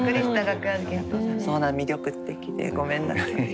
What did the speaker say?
そんな魅力的でごめんなさい。